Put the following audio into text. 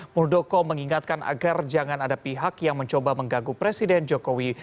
muldoko mengingatkan agar jangan ada pihak yang mencoba menggaguh presiden jokowi